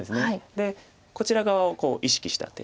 でこちら側を意識した手。